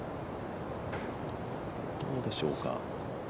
どうでしょうか。